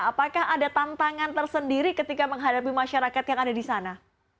apakah ada tantangan tersendiri ketika menghadapi masyarakat yang ada di sana